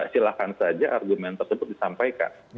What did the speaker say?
silahkan saja argumen tersebut disampaikan